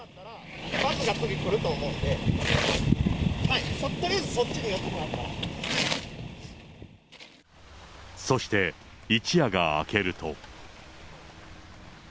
バスが次、来ると思うんで、とりあえずそっちに寄ってもらえそして一夜が明けると。